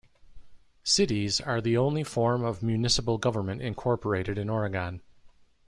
Cities are the only form of municipal government incorporated in Oregon.